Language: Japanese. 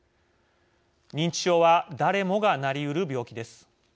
認知症は誰もがなりうる病気です。